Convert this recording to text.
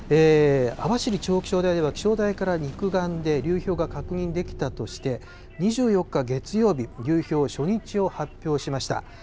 網走地方気象台では、気象台から肉眼で流氷が確認できたとして、２４日月曜日、流氷初日を発表しました。